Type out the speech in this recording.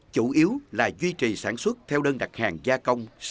chủ yếu là duy trì sản xuất theo đơn đặt hàng gia công sơ chế thủy sản